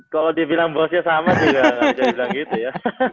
kalo dibilang bosnya sama juga gak bisa dibilang gitu ya